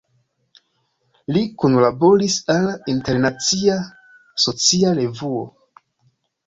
Li kunlaboris al "Internacia Socia Revuo.